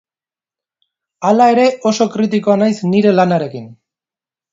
Hala ere, oso kritikoa naiz nire lanarekin.